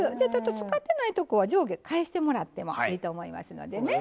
つかってないとこは上下返してもらってもいいと思いますのでね。